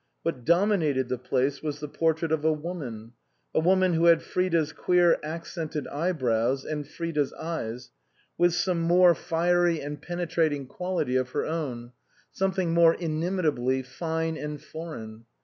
What dominated the place was the portrait of a woman, a woman who had Frida's queer accented eye brows and Frida's eyes, with some more fiery 73 THE COSMOPOLITAN and penetrating quality of her own, something more inimitably fine and foreign.